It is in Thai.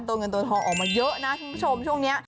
ตัวเงินตัวทองออกมาเยอะนะชมช่วงนี้